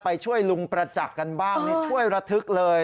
ไปช่วยลุงประจักษ์กันบ้างนี่ช่วยระทึกเลย